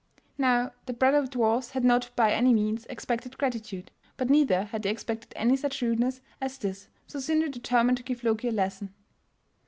Now the brother dwarfs had not by any means expected gratitude, but neither had they expected any such rudeness as this, so Sindri determined to give Loki a lesson.